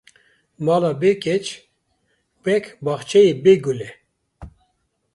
Mala bê keç, wek bexçeyê bê gulle